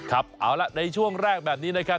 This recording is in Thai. ครับเอาละในช่วงแรกแบบนี้นะครับ